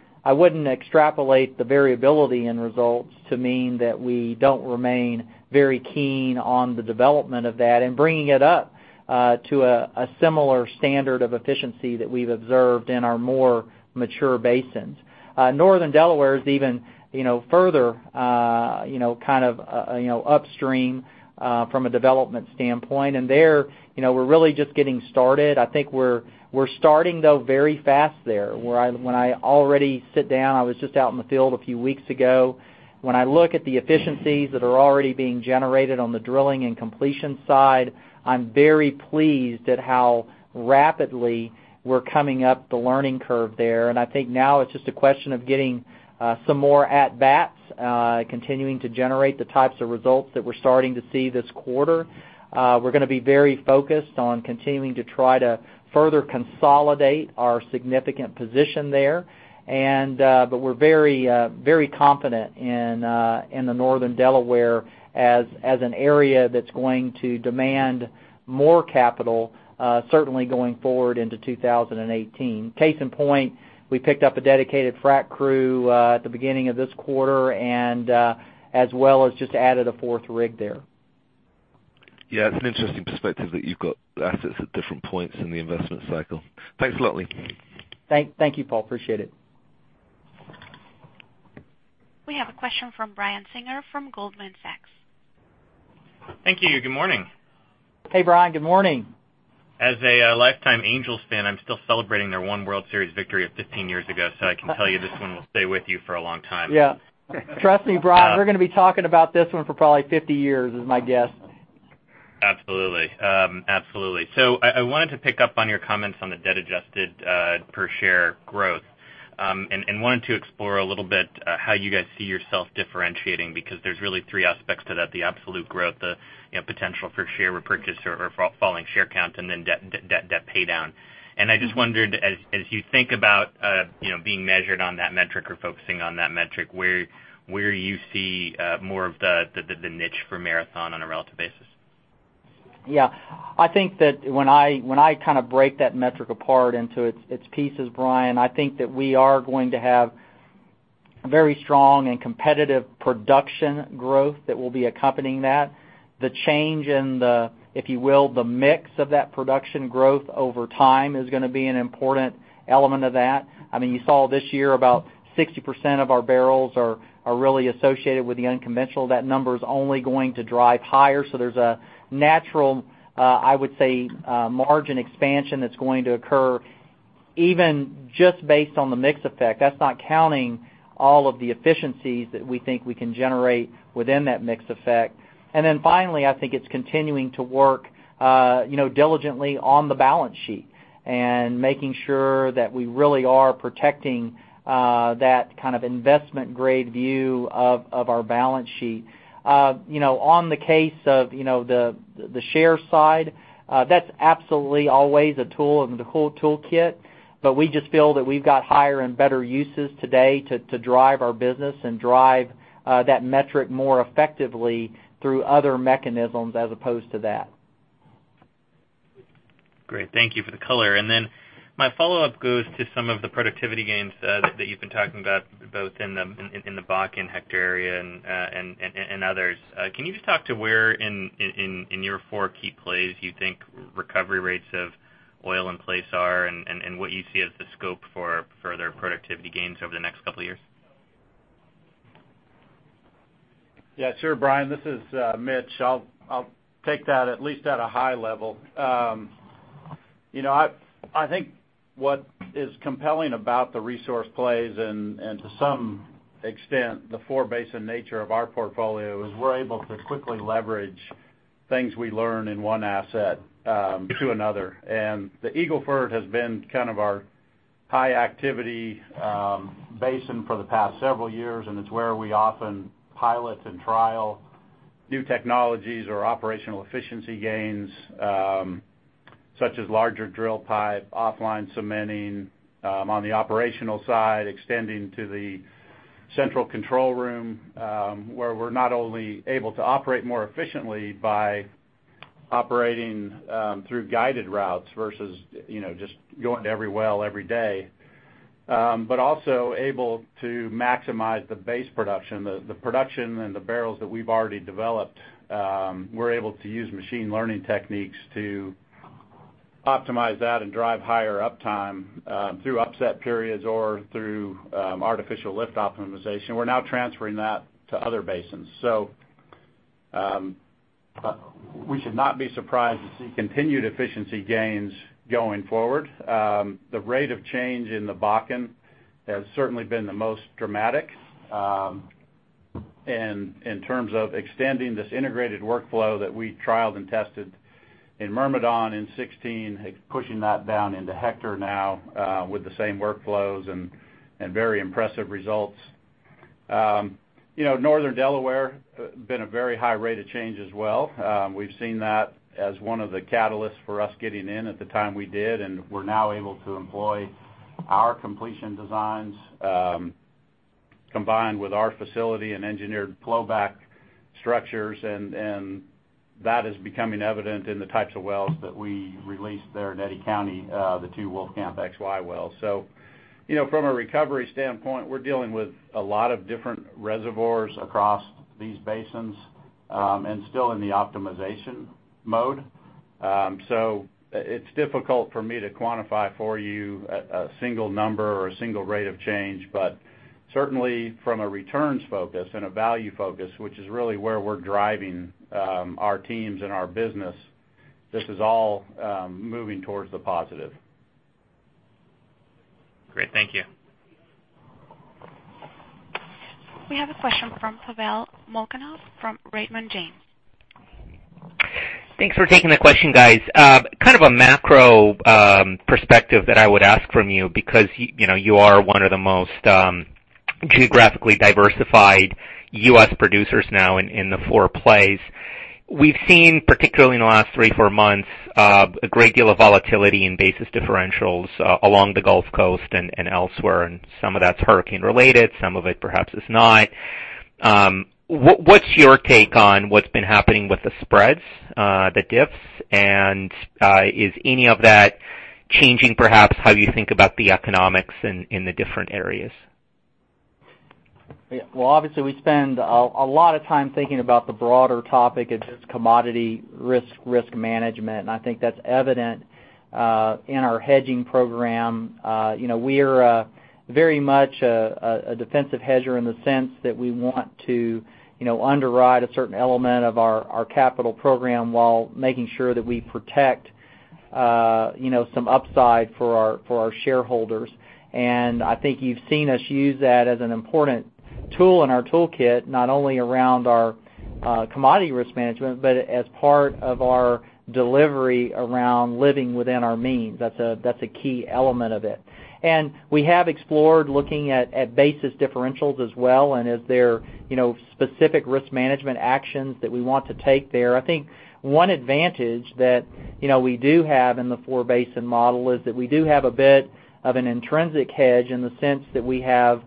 extrapolate the variability in results to mean that we don't remain very keen on the development of that and bringing it up to a similar standard of efficiency that we've observed in our more mature basins. Northern Delaware is even further upstream from a development standpoint. There, we're really just getting started. I think we're starting, though, very fast there. When I already sit down, I was just out in the field a few weeks ago. When I look at the efficiencies that are already being generated on the drilling and completion side, I'm very pleased at how rapidly we're coming up the learning curve there. I think now it's just a question of getting some more at-bats, continuing to generate the types of results that we're starting to see this quarter. We're going to be very focused on continuing to try to further consolidate our significant position there. We're very confident in the Northern Delaware as an area that's going to demand more capital, certainly going forward into 2018. Case in point, we picked up a dedicated frack crew at the beginning of this quarter, as well as just added a fourth rig there. Yeah. It's an interesting perspective that you've got assets at different points in the investment cycle. Thanks a lot, Lee. Thank you, Paul. Appreciate it. We have a question from Brian Singer from Goldman Sachs. Thank you. Good morning. Hey, Brian. Good morning. As a lifetime Angels fan, I'm still celebrating their one World Series victory of 15 years ago, so I can tell you this one will stay with you for a long time. Yeah. Trust me, Brian, we're going to be talking about this one for probably 50 years, is my guess. I wanted to pick up on your comments on the debt-adjusted per share growth. Wanted to explore a little bit how you guys see yourself differentiating, because there's really three aspects to that. The absolute growth, the potential for share repurchase or falling share count, and then debt paydown. I just wondered, as you think about being measured on that metric or focusing on that metric, where you see more of the niche for Marathon on a relative basis? I think that when I break that metric apart into its pieces, Brian, I think that we are going to have very strong and competitive production growth that will be accompanying that. The change in the, if you will, the mix of that production growth over time is going to be an important element of that. You saw this year about 60% of our barrels are really associated with the unconventional. That number's only going to drive higher, there's a natural, I would say, margin expansion that's going to occur even just based on the mix effect. That's not counting all of the efficiencies that we think we can generate within that mix effect. Then finally, I think it's continuing to work diligently on the balance sheet and making sure that we really are protecting that kind of investment-grade view of our balance sheet. On the case of the share side, that's absolutely always a tool in the whole toolkit, we just feel that we've got higher and better uses today to drive our business and drive that metric more effectively through other mechanisms as opposed to that. Great. Thank you for the color. Then my follow-up goes to some of the productivity gains that you've been talking about, both in the Bakken Hector area and others. Can you just talk to where in your four key plays you think recovery rates of oil in place are, and what you see as the scope for further productivity gains over the next couple of years? Yeah, sure, Brian. This is Mitch. I'll take that at least at a high level. I think what is compelling about the resource plays, and to some extent, the four-basin nature of our portfolio, is we're able to quickly leverage things we learn in one asset to another. The Eagle Ford has been kind of our high-activity basin for the past several years, and it's where we often pilot and trial new technologies or operational efficiency gains such as larger drill pipe, offline cementing. On the operational side, extending to the central control room, where we're not only able to operate more efficiently by operating through guided routes versus just going to every well every day. Also able to maximize the base production, and the barrels that we've already developed. We're able to use machine learning techniques to optimize that and drive higher uptime through upset periods or through artificial lift optimization. We're now transferring that to other basins. We should not be surprised to see continued efficiency gains going forward. The rate of change in the Bakken has certainly been the most dramatic. In terms of extending this integrated workflow that we trialed and tested in Myrmidon in 2016, pushing that down into Hector now with the same workflows and very impressive results. Northern Delaware, been a very high rate of change as well. We've seen that as one of the catalysts for us getting in at the time we did, we're now able to employ our completion designs, combined with our facility and engineered flowback structures, that is becoming evident in the types of wells that we released there in Eddy County, the two Wolfcamp XY wells. From a recovery standpoint, we're dealing with a lot of different reservoirs across these basins, and still in the optimization mode. It's difficult for me to quantify for you a single number or a single rate of change. Certainly from a returns focus and a value focus, which is really where we're driving our teams and our business, this is all moving towards the positive. Great. Thank you. We have a question from Pavel Molchanov from Raymond James. Thanks for taking the question, guys. A macro perspective that I would ask from you, because you are one of the most geographically diversified U.S. producers now in the four plays. We've seen, particularly in the last three, four months, a great deal of volatility in basis differentials along the Gulf Coast and elsewhere, and some of that's hurricane related, some of it perhaps is not. What's your take on what's been happening with the spreads, the dips, and is any of that changing perhaps how you think about the economics in the different areas? Yeah. Obviously, we spend a lot of time thinking about the broader topic of just commodity risk management, and I think that's evident in our hedging program. We are very much a defensive hedger in the sense that we want to underwrite a certain element of our capital program while making sure that we protect some upside for our shareholders. I think you've seen us use that as an important tool in our toolkit, not only around our commodity risk management, but as part of our delivery around living within our means. That's a key element of it. We have explored looking at basis differentials as well, and if there specific risk management actions that we want to take there. I think one advantage that we do have in the four-basin model is that we do have a bit of an intrinsic hedge in the sense that we have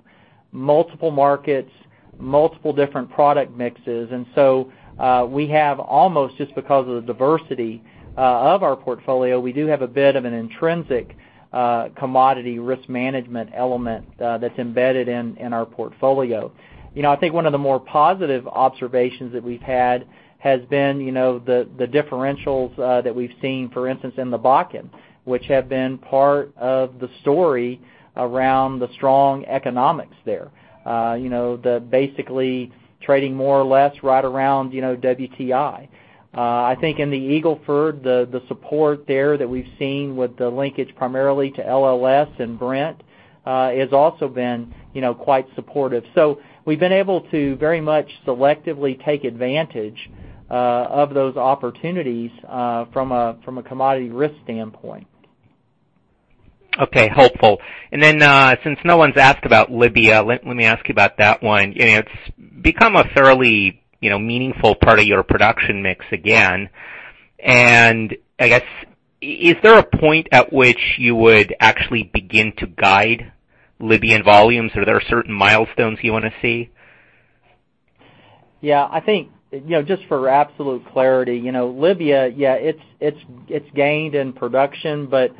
multiple markets, multiple different product mixes. We have almost just because of the diversity of our portfolio, we do have a bit of an intrinsic commodity risk management element that's embedded in our portfolio. I think one of the more positive observations that we've had has been the differentials that we've seen, for instance, in the Bakken, which have been part of the story around the strong economics there. Basically trading more or less right around WTI. I think in the Eagle Ford, the support there that we've seen with the linkage primarily to LLS and Brent has also been quite supportive. We've been able to very much selectively take advantage of those opportunities from a commodity risk standpoint. Okay, helpful. Since no one's asked about Libya, let me ask you about that one. It's become a thoroughly meaningful part of your production mix again. I guess, is there a point at which you would actually begin to guide Libyan volumes, or are there certain milestones you want to see? Yeah, I think, just for absolute clarity, Libya, yeah it's gained in production, but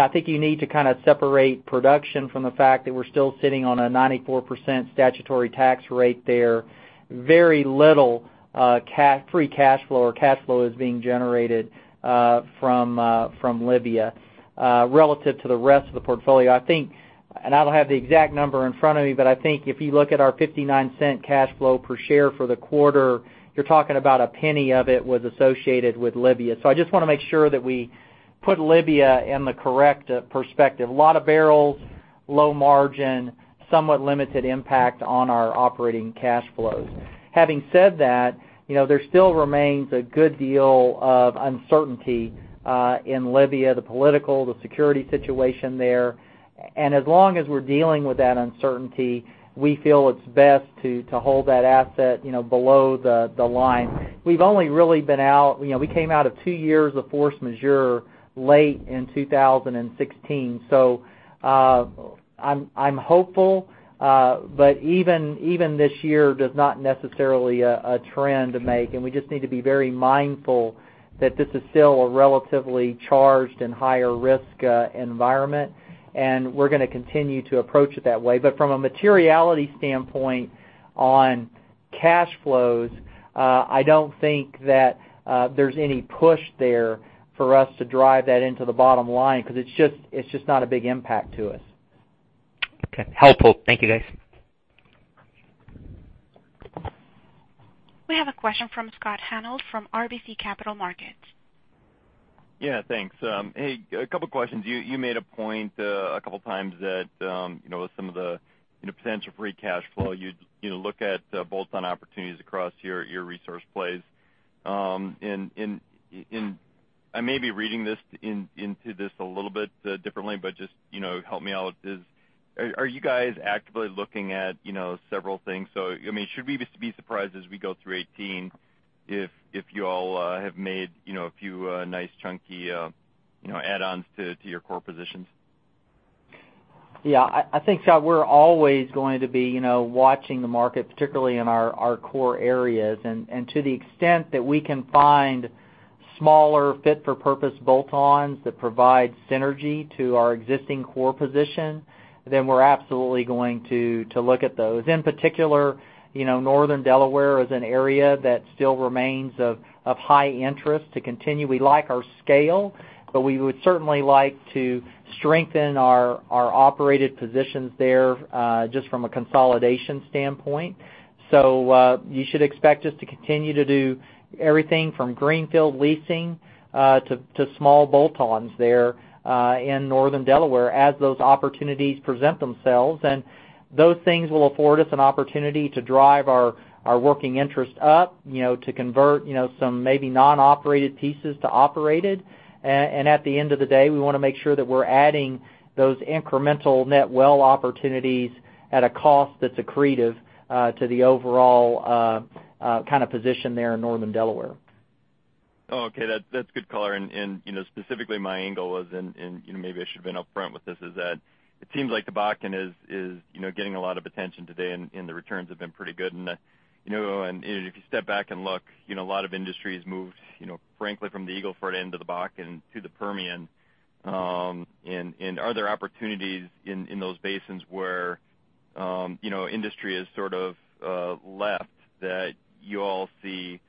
I think you need to separate production from the fact that we're still sitting on a 94% statutory tax rate there. Very little free cash flow or cash flow is being generated from Libya relative to the rest of the portfolio. I think, and I don't have the exact number in front of me, but I think if you look at our $0.59 cash flow per share for the quarter, you're talking about $0.01 of it was associated with Libya. I just want to make sure that we put Libya in the correct perspective. A lot of barrels, low margin, somewhat limited impact on our operating cash flows. Having said that, there still remains a good deal of uncertainty in Libya, the political, the security situation there. As long as we're dealing with that uncertainty, we feel it's best to hold that asset below the line. We came out of two years of force majeure late in 2016. I'm hopeful, but even this year does not necessarily a trend to make, and we just need to be very mindful that this is still a relatively charged and higher risk environment, and we're going to continue to approach it that way. From a materiality standpoint on cash flows, I don't think that there's any push there for us to drive that into the bottom line because it's just not a big impact to us. Okay. Helpful. Thank you, guys. We have a question from Scott Hanold from RBC Capital Markets. Yeah, thanks. Hey, a couple questions. You made a point a couple times that with some of the potential free cash flow, you look at bolt-on opportunities across your resource plays. I may be reading into this a little bit differently, but just help me out. Are you guys actively looking at several things? Should we be surprised as we go through 2018 if you all have made a few nice chunky add-ons to your core positions? Scott, we're always going to be watching the market, particularly in our core areas. To the extent that we can find smaller fit-for-purpose bolt-ons that provide synergy to our existing core position, then we're absolutely going to look at those. In particular, Northern Delaware is an area that still remains of high interest to continue. We like our scale, but we would certainly like to strengthen our operated positions there, just from a consolidation standpoint. You should expect us to continue to do everything from greenfield leasing to small bolt-ons there in Northern Delaware as those opportunities present themselves. Those things will afford us an opportunity to drive our working interest up, to convert some maybe non-operated pieces to operated. At the end of the day, we want to make sure that we're adding those incremental net well opportunities at a cost that's accretive to the overall position there in Northern Delaware. Okay. That's good color. Specifically, my angle was, and maybe I should've been upfront with this, is that it seems like the Bakken is getting a lot of attention today, and the returns have been pretty good. If you step back and look, a lot of industries moved, frankly, from the Eagle Ford into the Bakken to the Permian. Are there opportunities in those basins where industry has sort of left that you all see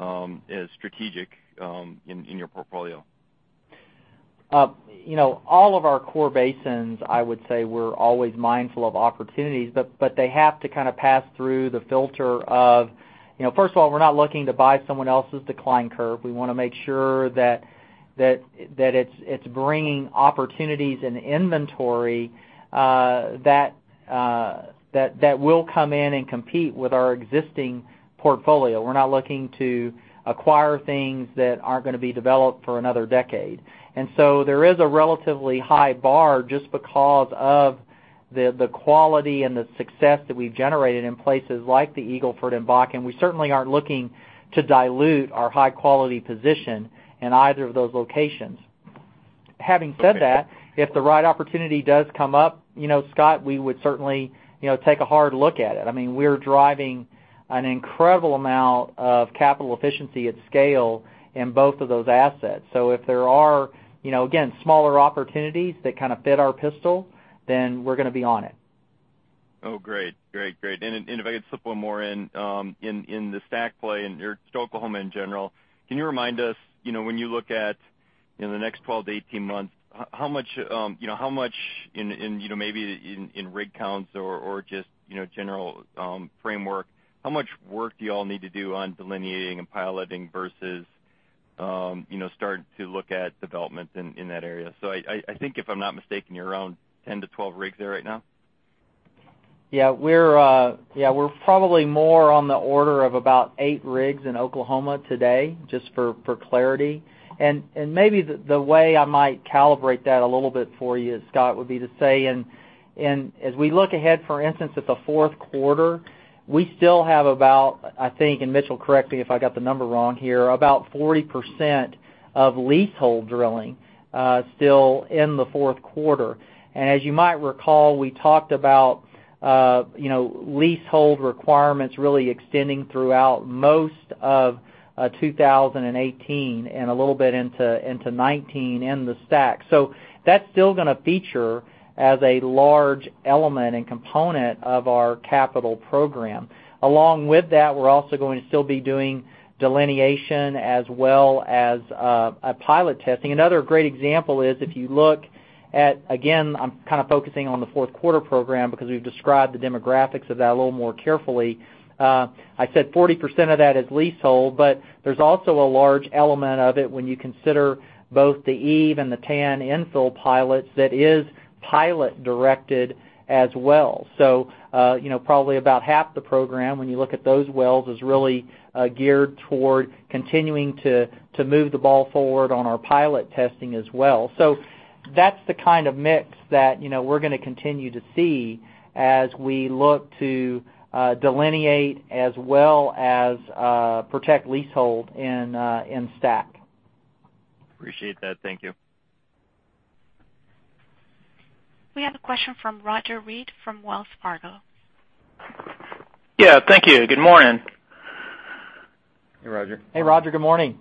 as strategic in your portfolio? All of our core basins, I would say, we're always mindful of opportunities, but they have to pass through the filter of. First of all, we're not looking to buy someone else's decline curve. We want to make sure that it's bringing opportunities and inventory that will come in and compete with our existing portfolio. We're not looking to acquire things that aren't going to be developed for another decade. There is a relatively high bar just because of the quality and the success that we've generated in places like the Eagle Ford and Bakken. We certainly aren't looking to dilute our high-quality position in either of those locations. Having said that, if the right opportunity does come up, Scott, we would certainly take a hard look at it. We're driving an incredible amount of capital efficiency at scale in both of those assets. If there are, again, smaller opportunities that fit our pistol, we're going to be on it. Great. If I could slip one more in the STACK play, in Oklahoma in general, can you remind us, when you look at the next 12 to 18 months, how much maybe in rig counts or just general framework, how much work do you all need to do on delineating and piloting versus starting to look at developments in that area? I think, if I'm not mistaken, you're around 10 to 12 rigs there right now? We're probably more on the order of about eight rigs in Oklahoma today, just for clarity. Maybe the way I might calibrate that a little bit for you, Scott, would be to say, as we look ahead, for instance, at the fourth quarter, we still have about, I think, Mitch, correct me if I got the number wrong here, about 40% of leasehold drilling still in the fourth quarter. As you might recall, we talked about leasehold requirements really extending throughout most of 2018 and a little bit into 2019 in the STACK. That's still going to feature as a large element and component of our capital program. Along with that, we're also going to still be doing delineation as well as pilot testing. Another great example is if you look at, again, I'm focusing on the fourth quarter program because we've described the demographics of that a little more carefully. I said 40% of that is leasehold, but there's also a large element of it when you consider both the Eve and the Tan infill pilots that is pilot directed as well. Probably about half the program, when you look at those wells, is really geared toward continuing to move the ball forward on our pilot testing as well. That's the kind of mix that we're going to continue to see as we look to delineate as well as protect leasehold in STACK. Appreciate that. Thank you. We have a question from Roger Read from Wells Fargo. Yeah. Thank you. Good morning. Hey, Roger. Hey, Roger. Good morning.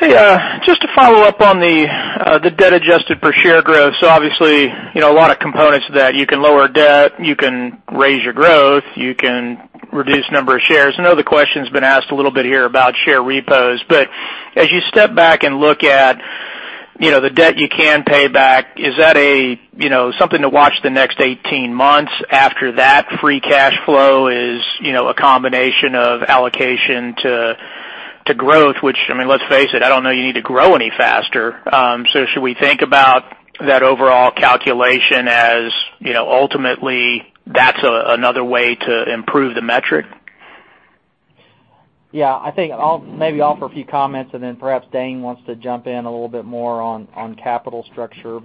Just to follow up on the debt-adjusted per share growth. Obviously, a lot of components to that. You can lower debt, you can raise your growth, you can reduce number of shares. I know the question's been asked a little bit here about share repos. As you step back and look at the debt you can pay back, is that something to watch the next 18 months? After that, free cash flow is a combination of allocation to growth, which, let's face it, I don't know you need to grow any faster. Should we think about that overall calculation as ultimately that's another way to improve the metric? Yeah, I think I'll maybe offer a few comments, then perhaps Dane wants to jump in a little bit more on capital structure.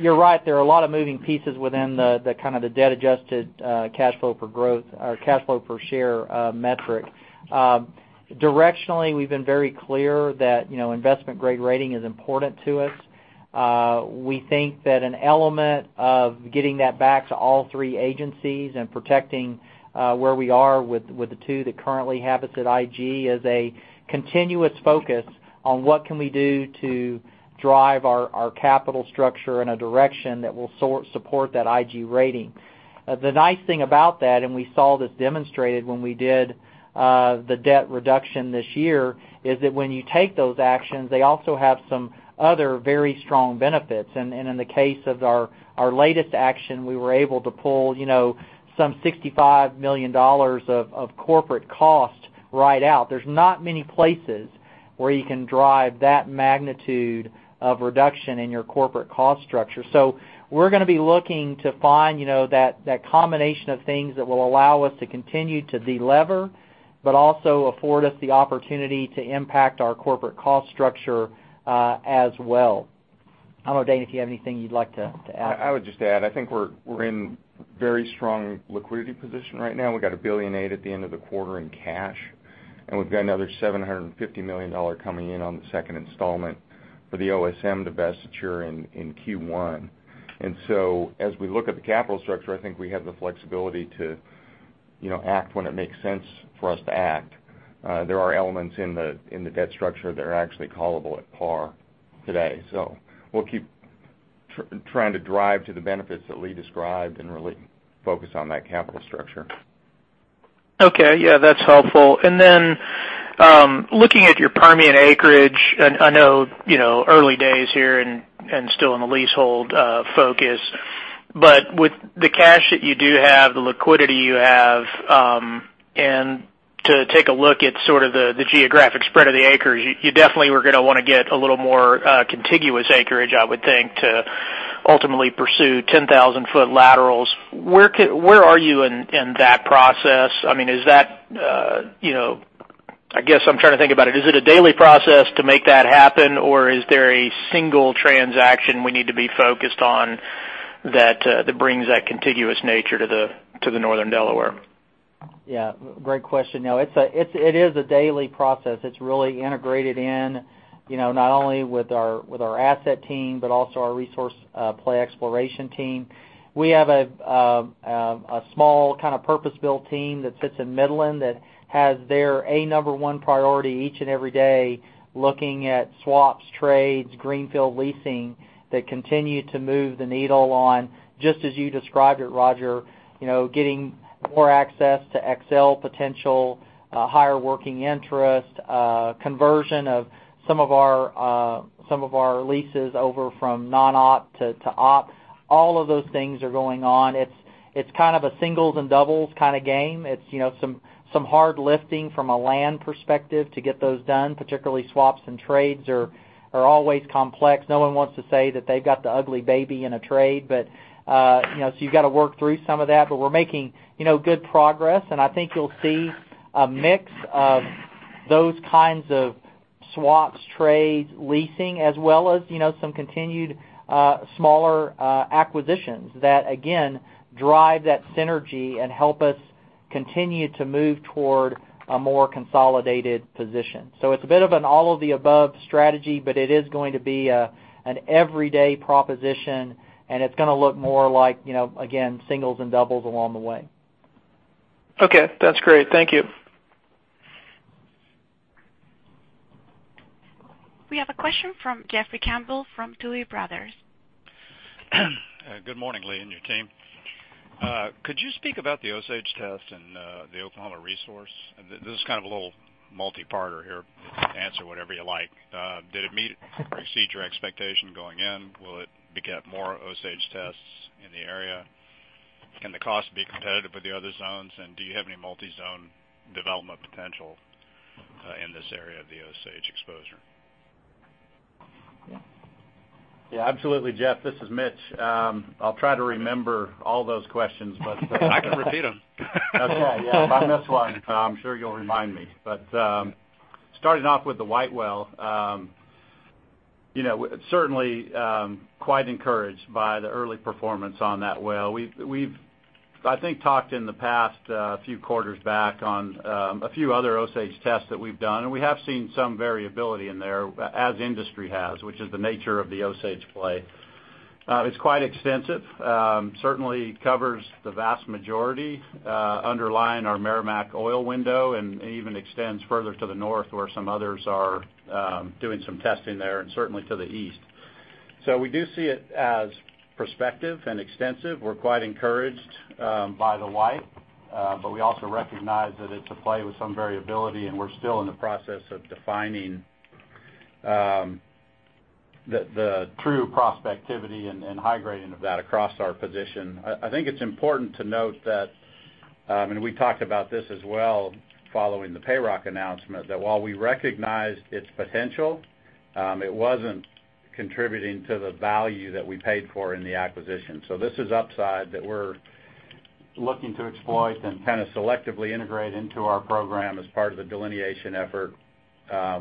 You're right, there are a lot of moving pieces within the debt-adjusted cash flow per share metric. Directionally, we've been very clear that investment-grade rating is important to us. We think that an element of getting that back to all three agencies and protecting where we are with the two that currently have us at IG is a continuous focus on what can we do to drive our capital structure in a direction that will support that IG rating. The nice thing about that, and we saw this demonstrated when we did the debt reduction this year, is that when you take those actions, they also have some other very strong benefits. In the case of our latest action, we were able to pull some $65 million of corporate cost right out. There's not many places where you can drive that magnitude of reduction in your corporate cost structure. We're going to be looking to find that combination of things that will allow us to continue to de-lever, also afford us the opportunity to impact our corporate cost structure as well. I don't know, Dane, if you have anything you'd like to add. I would just add, I think we're in very strong liquidity position right now. We got $1.8 billion at the end of the quarter in cash, and we've got another $750 million coming in on the second installment for the OSM divestiture in Q1. As we look at the capital structure, I think we have the flexibility to act when it makes sense for us to act. There are elements in the debt structure that are actually callable at par today. We'll keep trying to drive to the benefits that Lee described and really focus on that capital structure. Okay. Yeah, that's helpful. Looking at your Permian acreage, and I know early days here and still in the leasehold focus, but with the cash that you do have, the liquidity you have, and to take a look at sort of the geographic spread of the acres, you definitely were going to want to get a little more contiguous acreage, I would think, to ultimately pursue 10,000-foot laterals. Where are you in that process? I guess I'm trying to think about it. Is it a daily process to make that happen, or is there a single transaction we need to be focused on that brings that contiguous nature to the Northern Delaware? Yeah, great question. No, it is a daily process. It's really integrated in, not only with our asset team, but also our resource play exploration team. We have a small purpose-built team that sits in Midland that has their A number 1 priority each and every day looking at swaps, trades, greenfield leasing that continue to move the needle on, just as you described it, Roger, getting more access to XL potential, higher working interest, conversion of some of our leases over from non-op to op. All of those things are going on. It's kind of a singles and doubles kind of game. It's some hard lifting from a land perspective to get those done. Particularly swaps and trades are always complex. No one wants to say that they've got the ugly baby in a trade, so you've got to work through some of that. We're making good progress, and I think you'll see a mix of those kinds of swaps, trades, leasing, as well as some continued smaller acquisitions that, again, drive that synergy and help us continue to move toward a more consolidated position. It's a bit of an all of the above strategy, but it is going to be an everyday proposition, and it's going to look more like, again, singles and doubles along the way. Okay. That's great. Thank you. We have a question from Jeffrey Campbell from Tuohy Brothers. Good morning, Lee and your team. Could you speak about the Osage test and the Oklahoma resource? This is kind of a little multi-parter here. Answer whatever you like. Did it meet or exceed your expectation going in? Will it beget more Osage tests in the area? Can the cost be competitive with the other zones, and do you have any multi-zone development potential in this area of the Osage exposure? Yeah. Yeah, absolutely, Jeff. This is Mitch. I'll try to remember all those questions. I can repeat them. Okay. Yeah. If I miss one, I'm sure you'll remind me. Starting off with the White Well, certainly quite encouraged by the early performance on that well. We've, I think, talked in the past few quarters back on a few other Osage tests that we've done, and we have seen some variability in there, as the industry has, which is the nature of the Osage play. It's quite extensive. Certainly covers the vast majority underlying our Meramec oil window and even extends further to the north, where some others are doing some testing there, and certainly to the east. We do see it as prospective and extensive. We're quite encouraged by the White. We also recognize that it's a play with some variability, and we're still in the process of defining the true prospectivity and high grading of that across our position. I think it's important to note that, and we talked about this as well following the PayRock announcement, that while we recognized its potential, it wasn't contributing to the value that we paid for in the acquisition. This is upside that we're looking to exploit and selectively integrate into our program as part of the delineation effort.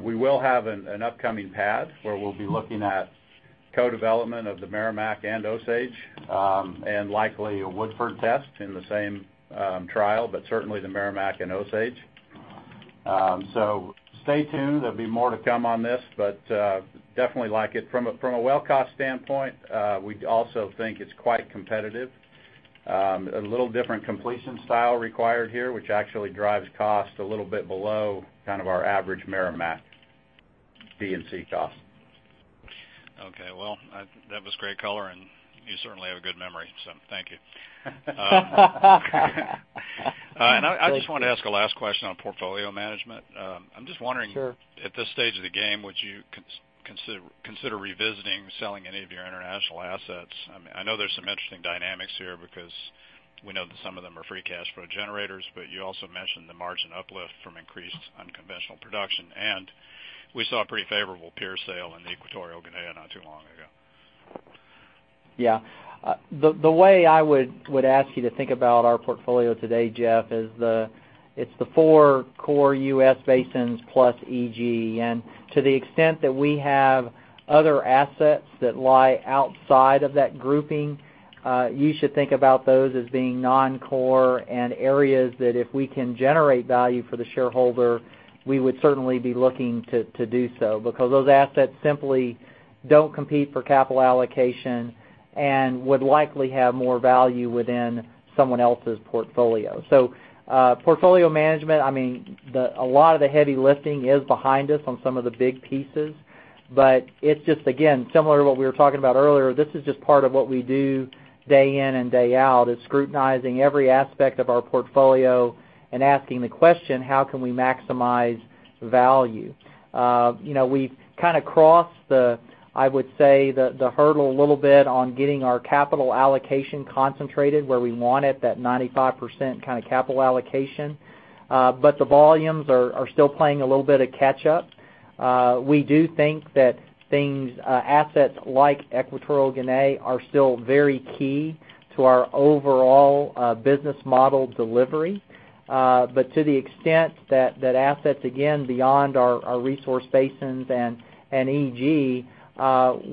We will have an upcoming pad where we'll be looking at co-development of the Meramec and Osage, and likely a Woodford test in the same trial, but certainly the Meramec and Osage. Stay tuned. There'll be more to come on this, but definitely like it. From a well cost standpoint, we also think it's quite competitive. A little different completion style required here, which actually drives cost a little bit below kind of our average Meramec D&C cost. Okay. Well, that was great color, and you certainly have a good memory, so thank you. I just want to ask a last question on portfolio management. Sure. I'm just wondering, at this stage of the game, would you consider revisiting selling any of your international assets? I know there's some interesting dynamics here because we know that some of them are free cash flow generators, but you also mentioned the margin uplift from increased unconventional production, and we saw a pretty favorable peer sale in Equatorial Guinea not too long ago. Yeah. The way I would ask you to think about our portfolio today, Jeff, is it's the four core U.S. basins plus EG. To the extent that we have other assets that lie outside of that grouping, you should think about those as being non-core and areas that if we can generate value for the shareholder, we would certainly be looking to do so, because those assets simply don't compete for capital allocation and would likely have more value within someone else's portfolio. Portfolio management, a lot of the heavy lifting is behind us on some of the big pieces, but it's just, again, similar to what we were talking about earlier, this is just part of what we do day in and day out, is scrutinizing every aspect of our portfolio and asking the question: how can we maximize value? We've kind of crossed the, I would say, the hurdle a little bit on getting our capital allocation concentrated where we want it, that 95% kind of capital allocation. The volumes are still playing a little bit of catch up. We do think that assets like Equatorial Guinea are still very key to our overall business model delivery. To the extent that assets, again, beyond our resource basins and EG,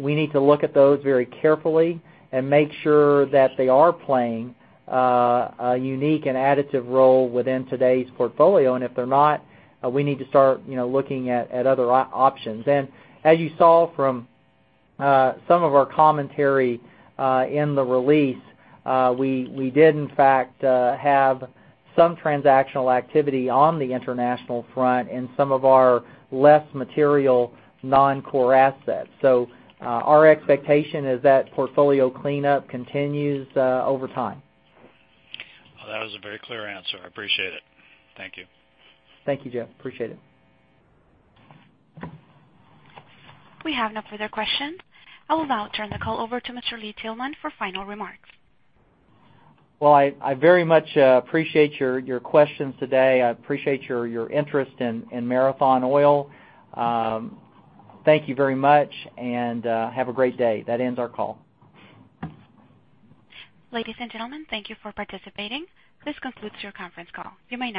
we need to look at those very carefully and make sure that they are playing a unique and additive role within today's portfolio. If they're not, we need to start looking at other options. As you saw from some of our commentary in the release, we did in fact have some transactional activity on the international front in some of our less material non-core assets. Our expectation is that portfolio cleanup continues over time. Well, that was a very clear answer. I appreciate it. Thank you. Thank you, Jeff. Appreciate it. We have no further questions. I will now turn the call over to Mr. Lee Tillman for final remarks. Well, I very much appreciate your questions today. I appreciate your interest in Marathon Oil. Thank you very much and have a great day. That ends our call. Ladies and gentlemen, thank you for participating. This concludes your conference call. You may now disconnect.